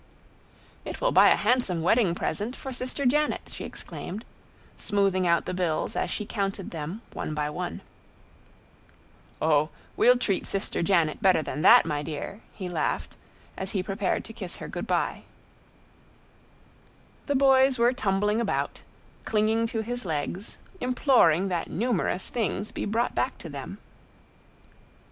"It will buy a handsome wedding present for Sister Janet!" she exclaimed, smoothing out the bills as she counted them one by one. "Oh! we'll treat Sister Janet better than that, my dear," he laughed, as he prepared to kiss her good by. The boys were tumbling about, clinging to his legs, imploring that numerous things be brought back to them.